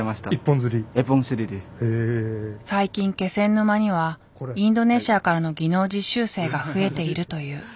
最近気仙沼にはインドネシアからの技能実習生が増えているという。